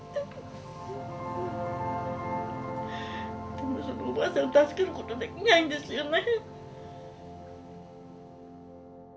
でもそのおばあさん助けることできないんですよね。